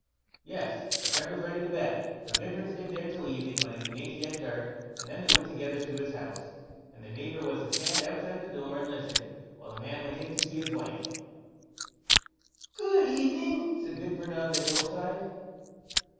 Yes! the friend was ready to bet; so Gudbrand stayed there till evening, when it began to get dark, and then they went together to his house, and the neighbour was to stand outside the door and listen, while the man went in to see his wife. "Good evening!" said Gudbrand on the Hill side.